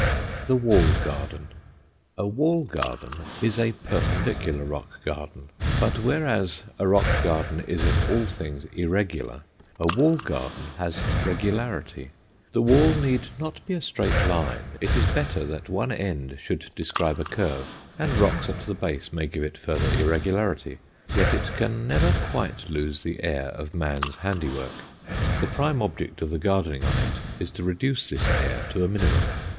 THE WALL GARDEN A wall garden is a perpendicular rock garden. But whereas a rock garden is of all things irregular, a wall garden has regularity. The wall need not be a straight line; it is better that one end should describe a curve, and rocks at the base may give it further irregularity. Yet it can never quite lose the air of man's handiwork. The prime object of the gardening on it is to reduce this air to a minimum.